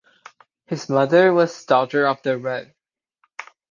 His mother was daughter of the Rev.